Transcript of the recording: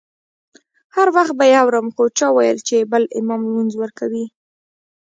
هر وخت به یې اورم خو چا وویل چې بل امام لمونځ ورکوي.